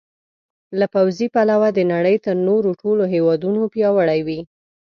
له پوځي پلوه د نړۍ تر نورو ټولو هېوادونو پیاوړي وي.